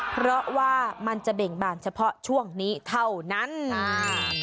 เพราะว่ามันจะเบ่งบานเฉพาะช่วงนี้เท่านั้นอ่า